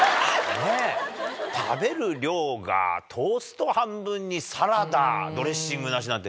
食べる量が、トースト半分にサラダ、ドレッシングなしなんて。